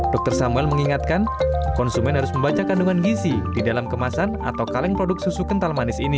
dokter samuel mengingatkan konsumen harus membaca kandungan gizi di dalam kemasan atau kaleng produk susu kental manis ini